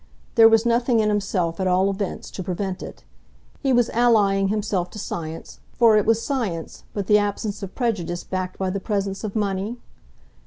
There was nothing in himself, at all events, to prevent it. He was allying himself to science, for what was science but the absence of prejudice backed by the presence of money?